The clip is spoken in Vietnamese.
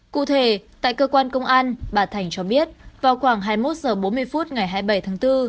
cụ thể tại cơ quan công an bà thành cho biết vào khoảng hai mươi một h bốn mươi phút ngày hai mươi bảy tháng bốn